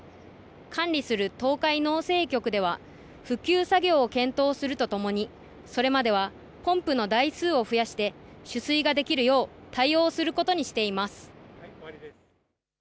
管理する東海農政局では復旧作業を検討するとともにそれまではポンプの台数を増やして取水ができるよう対応することにしています。